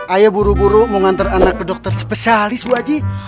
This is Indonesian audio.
ayah buru buru mau ngantar anak ke dokter spesialis bu aji